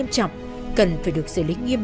em kiếp em